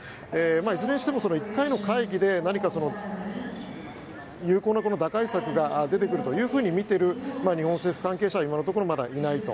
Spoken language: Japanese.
いずれにしても１回の会議で何か有効な打開策が出てくるというふうに見ている日本政府関係者は今のところまだいないと。